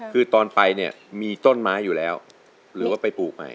คือตอนไปเนี่ยมีต้นไม้อยู่แล้วหรือว่าไปปลูกใหม่